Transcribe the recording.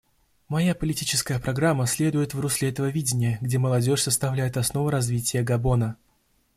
Моя политическая программа следует в русле этого видения, где молодежь составляет основу развития Габона.